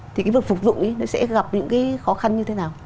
thì cái vực phục dụng ấy nó sẽ gặp những cái khó khăn như thế nào